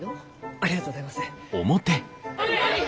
ありがとうございます。